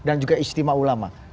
dan juga istimewa ulama